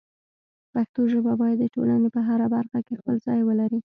پښتو ژبه باید د ټولنې په هره برخه کې خپل ځای ولري.